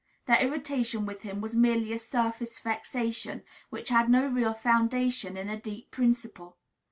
Their irritation with him was merely a surface vexation, which had no real foundation in a deep principle.